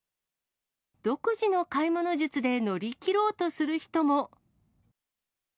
独自の買い物術で乗り切ろうとする人も。